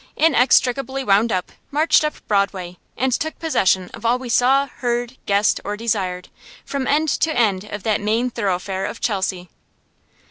inextricably wound up, marched up Broadway, and took possession of all we saw, heard, guessed, or desired, from end to end of that main thoroughfare of Chelsea.